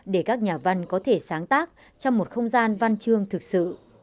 để các nhà văn có thể sáng tác trong một không gian văn chương thực sự